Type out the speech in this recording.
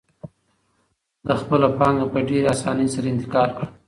ده خپله پانګه په ډېرې اسانۍ سره انتقال کړه.